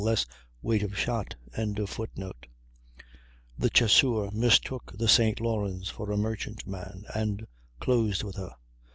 less weight of shot.] The Chasseur mistook the St. Lawrence for a merchant man and closed with her.